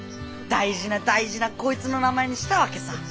大事な大事なこいつの名前にしたわけさぁ。